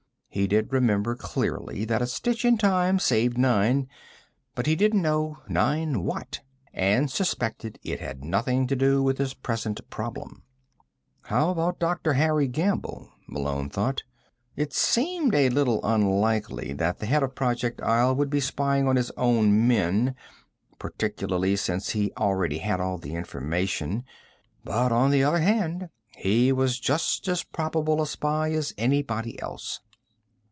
He did remember clearly that a stitch in time saved nine, but he didn't know nine what, and suspected it had nothing to do with his present problem. How about Dr. Harry Gamble, Malone thought. It seemed a little unlikely that the head of Project Isle would be spying on his own men particularly since he already had all the information. But, on the other hand, he was just as probable a spy as anybody else.